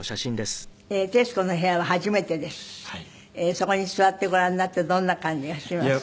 そこに座ってごらんになってどんな感じがします？